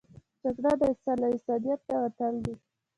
جګړه د انسان له انسانیت نه وتل دي